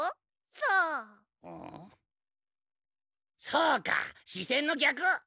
そうか視線のぎゃく。